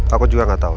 aku juga gak tau